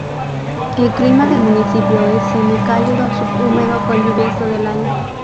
El clima del municipio es semicálido subhúmedo con lluvias todo el año.